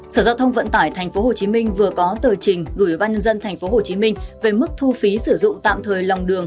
sở giao thông vận tải tp hcm vừa có tờ trình gửi ban nhân dân tp hcm về mức thu phí sử dụng tạm thời lòng đường